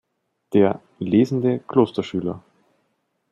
Der „Lesende Klosterschüler“.